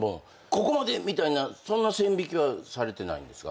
「ここまで」みたいな線引きはされてないんですか？